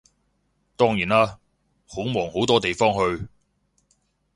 當然啦，好忙好多地方去